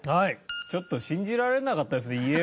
ちょっと信じられなかったですね